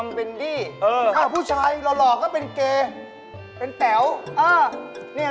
น้องเป็นธรรมหรือน้องเป็นอะไรเนี่ย